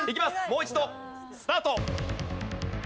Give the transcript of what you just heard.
もう一度スタート。